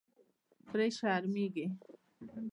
پرې شرمېږي.